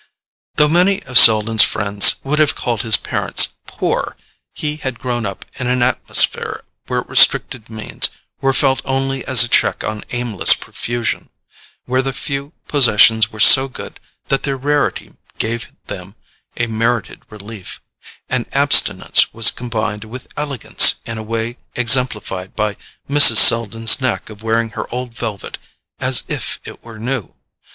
Though many of Selden's friends would have called his parents poor, he had grown up in an atmosphere where restricted means were felt only as a check on aimless profusion: where the few possessions were so good that their rarity gave them a merited relief, and abstinence was combined with elegance in a way exemplified by Mrs. Selden's knack of wearing her old velvet as if it were new.